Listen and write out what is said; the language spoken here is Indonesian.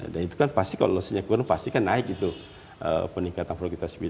dan itu kan pasti kalau lossesnya kurang pasti kan naik itu peningkatan produk kita